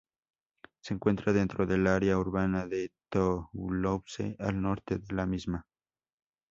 Se encuentra dentro del área urbana de Toulouse, al norte de la misma.